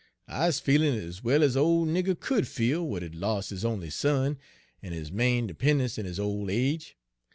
" 'I's feelin' ez well ez a 'ole nigger could feel w'at had los' his only son, en his main 'pen'ence in 'is ole age.